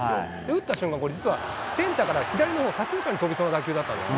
打った瞬間、これ、実はセンターから左のほう、左中間に飛びそうな打球だったんです。